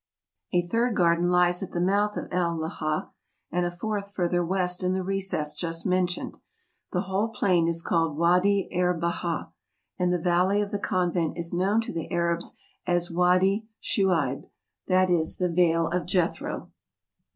A third garden lies at the mouth of El Leja, and a fourth further west in the recess just men¬ tioned. The whole plain is called Wady er Bahah ; and the valley of the convent is known to the Arabs as Wady Shu'eib, that is, the vale of Jethro.